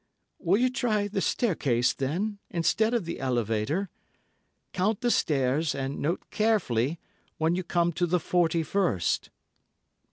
"Will you try the staircase, then, instead of the elevator? Count the stairs and note carefully when you come to the forty first."